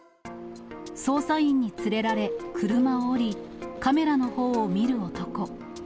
捜査員に連れられ、車を降り、カメラのほうを見る男。